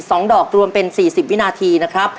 สองดอกรวมเป็นสี่สิบวินาทีนะครับ